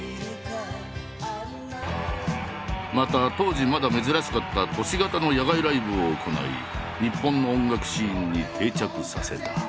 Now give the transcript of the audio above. また当時まだ珍しかった都市型の野外ライブを行い日本の音楽シーンに定着させた。